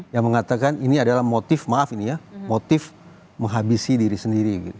yang mengatakan ini adalah motif maaf ini ya motif menghabisi diri sendiri